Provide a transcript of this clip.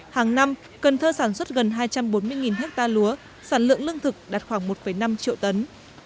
hàng năm cần thơ sản xuất gần hai trăm bốn mươi ha lúa sản lượng lương thực đạt khoảng một năm triệu tấn